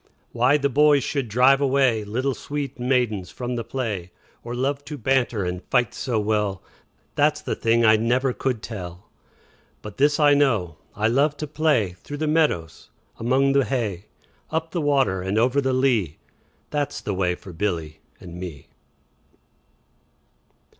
Why the boys should drive away Little sweet maidens from the play, Or love to banter and fight so well, That 's the thing I never could tell. 20 But this I know, I love to play Through the meadow, among the hay; Up the water and over the lea, That 's the way for Billy and me.